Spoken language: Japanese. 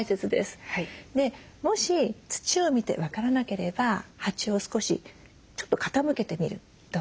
もし土を見て分からなければ鉢を少しちょっと傾けてみるとか